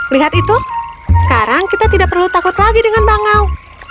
lihat itu sekarang kita tidak perlu takut lagi dengan bangau